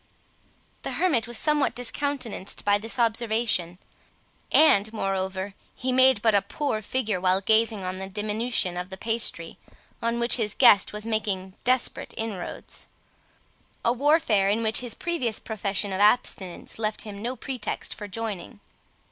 The hermit was somewhat discountenanced by this observation; and, moreover, he made but a poor figure while gazing on the diminution of the pasty, on which his guest was making desperate inroads; a warfare in which his previous profession of abstinence left him no pretext for joining.